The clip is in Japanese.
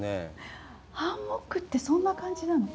ハンモックってそんな感じなの？